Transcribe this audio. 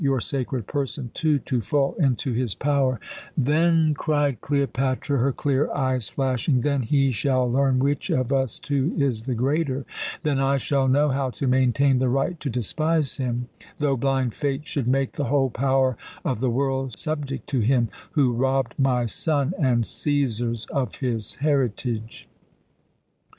your sacred person, too, to fall into his power " "Then," cried Cleopatra, her clear eyes flashing, "then he shall learn which of us two is the greater then I shall know how to maintain the right to despise him, though blind Fate should make the whole power of the world subject to him who robbed my son and Cæsar's of his heritage!"